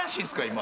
今。